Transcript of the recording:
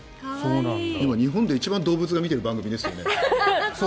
日本で一番動物が見ている番組ですよね。